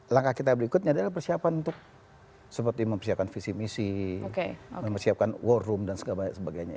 langkah kita berikutnya adalah persiapan untuk seperti mempersiapkan visi misi mempersiapkan war room dan sebagainya